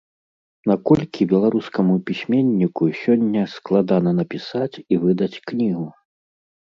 Наколькі беларускаму пісьменніку сёння складана напісаць і выдаць кнігу?